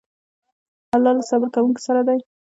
الله له صبر کوونکو سره دی.